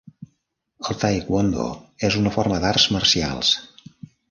El taekwondo és una forma d'arts marcials.